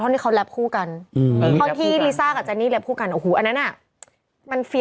ที่ผ่านมาก็เพราะว่าแต่ละแบร์น์นะแหละ